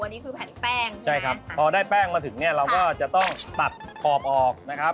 อันนี้คือแผ่นแป้งใช่ไหมใช่ครับพอได้แป้งมาถึงเนี่ยเราก็จะต้องตัดขอบออกนะครับ